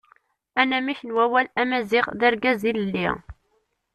Anamek n wawal Amaziɣ d Argaz ilelli.